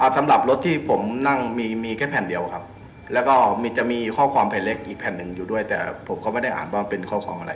สำหรับรถที่ผมนั่งมีมีแค่แผ่นเดียวครับแล้วก็มีจะมีข้อความแผ่นเล็กอีกแผ่นหนึ่งอยู่ด้วยแต่ผมก็ไม่ได้อ่านว่าเป็นข้อความอะไร